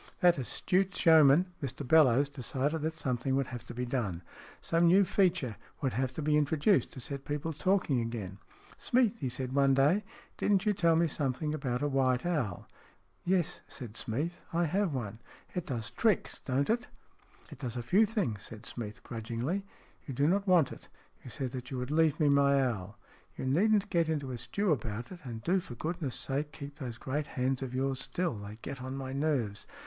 That astute showman, Mr Bellowes, decided that something would have to be done. Some new feature would have to be introduced, to set people talking again. " Smeath," he said one day, " didn't you tell me something once about a white owl ?"" Yes," said Smeath, " I have one." " It does tricks, don't it ?"" It does a few things," said Smeath, grudgingly. " You do not want it. You said that you would leave me my owl." " You needn't get into a stew about it, and do for goodness' sake keep those great hands of yours still. They get on my nerves.